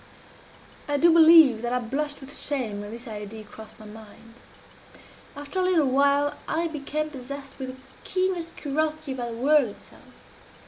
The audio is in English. I do believe that I blushed with shame when this idea crossed my mind. After a little while I became possessed with the keenest curiosity about the whirl itself.